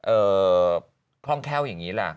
เอ่อคร่องแค้วอย่างนี้ล่ะ